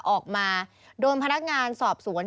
ออกมาโดนพนักงานสอบสวน